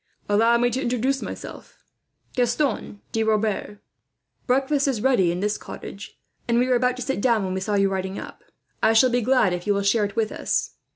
"Allow me to introduce myself, first Gaston de Rebers. Breakfast is ready in this cottage, and we were about to sit down when we saw you riding up. I shall be glad if you will share it with us.